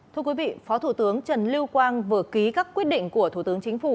thưa quý vị phó thủ tướng trần lưu quang vừa ký các quyết định của thủ tướng chính phủ